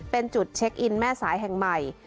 เป็นจุดเช็คอินแม่สายแห่งใหม่